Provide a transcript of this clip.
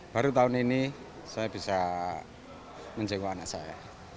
baru tahun ini saya bisa menjenguk anak saya